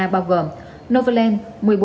bao gồm novoland